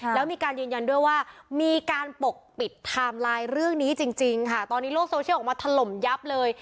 แล้วมีการยืนยันด้วยว่ามีการปกปิดไทม์ไลน์เรื่องนี้จริงค่ะตอนนี้โลกโซเชียลออกมาถล่มยับเลย